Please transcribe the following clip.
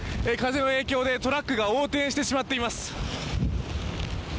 風の影響でトラックが横転してしまっています。